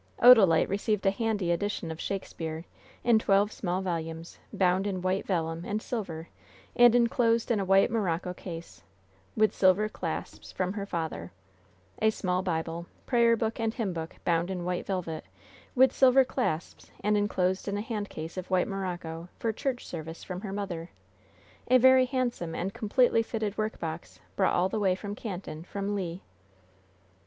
Odalite received a "handy" edition of Shakespeare, in twelve small volumes, bound in white vellum and silver and inclosed in a white morocco case, with silver clasps, from her father; a small Bible, prayer book and hymn book, bound in white velvet, with silver clasps and inclosed in a hand case of white morocco, for church service, from her mother; a very handsome and completely fitted workbox, brought all the way from Canton, from Le.